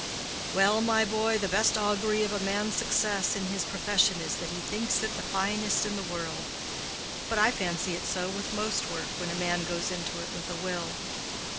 "Well, my boy, the best augury of a man's success in his profession is that he thinks it the finest in the world. But I fancy it so with most work when a man goes into it with a will.